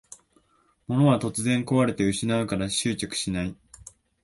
物は突然こわれて失うから執着しない